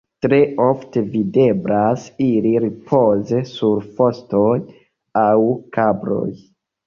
Tre ofte videblas ili ripoze sur fostoj aŭ kabloj.